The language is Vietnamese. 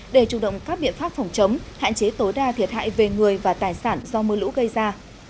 để chủ động các biện pháp phòng chống hạn chế tối đa thiệt hại về người và tài sản do mưa lũ gây ra